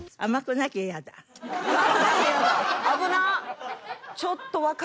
危なっ！